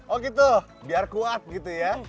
oh gitu biar kuat gitu ya